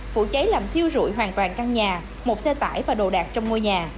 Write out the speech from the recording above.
vụ cháy làm thiêu dụi hoàn toàn căn nhà một xe tải và đồ đạc trong ngôi nhà